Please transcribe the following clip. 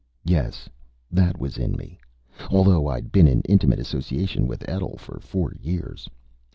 Yes, that was in me, although I'd been in intimate association with Etl for four years.